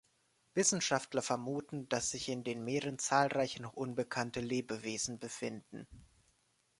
Wissenschaftler vermuten, dass sich in den Meeren zahlreiche noch unbekannte Lebewesen befinden.